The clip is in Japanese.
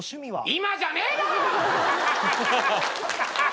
今じゃねえだろ！ハハハ。